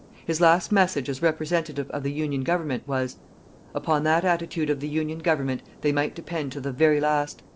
His last message as representative of the Union Government was: Upon that attitude of the Union Government they might depend to the very last.